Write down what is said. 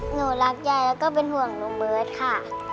หนูรักยายแล้วก็เป็นห่วงลุงเบิร์ตค่ะ